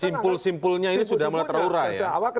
simpul simpulnya ini sudah mulai terurah ya